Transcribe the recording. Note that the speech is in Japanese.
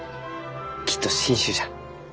きっと新種じゃ。